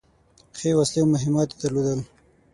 ښې وسلې او مهمات يې درلودل.